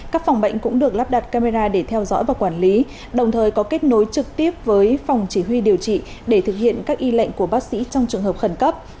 các phòng bệnh cũng được lắp đặt camera để theo dõi và quản lý đồng thời có kết nối trực tiếp với phòng chỉ huy điều trị để thực hiện các y lệnh của bác sĩ trong trường hợp khẩn cấp